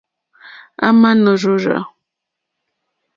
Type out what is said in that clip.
À mà nò rzòrzá.